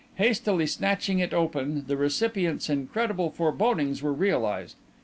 Hastily snatching it open, the recipient's incredible forebodings were realized.